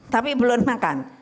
tapi belum makan